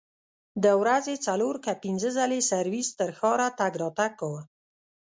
د ورځې څلور که پنځه ځلې سرویس تر ښاره تګ راتګ کاوه.